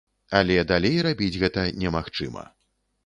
Але далей рабіць гэта немагчыма.